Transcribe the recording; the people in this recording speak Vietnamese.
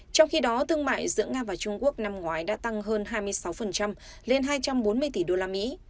trong khi đó thương mại giữa nga và trung quốc năm ngoái đã tăng hơn hai mươi sáu lên hai trăm bốn mươi tỷ đô la mỹ